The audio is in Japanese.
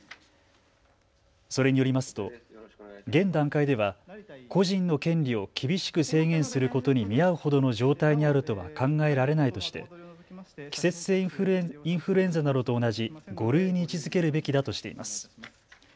それによりますと現段階では個人の権利を厳しく制限することに見合うほどの状態にあるとは考えられないとして季節性インフルエンザなどと同じ５類に位置づけるべきだとしています。